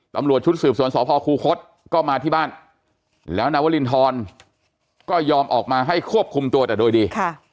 ตำรวจชุดสืบสวนสพคูคศก็มาที่บ้านแล้วนาวรินทรก็ยอมออกมาให้ควบคุมตัวแต่โดยดี